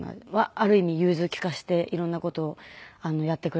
ある意味融通利かせて色んな事をやってくれて。